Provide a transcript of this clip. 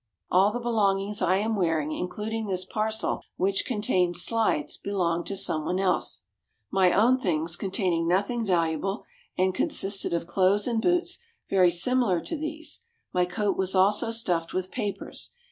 "All the belongings I am wearing, including this parcel, which contains slides, belong to someone else. "My own things contained nothing valuable, and consisted of clothes and boots very similar to these; my coat was also stuffed with papers.